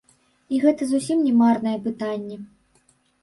І гэта зусім не марнае пытанне.